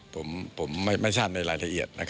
ผมไม่ทราบในรายละเอียด